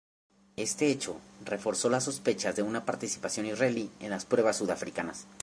Este hecho reforzó las sospechas de una participación israelí en las pruebas sudafricanas.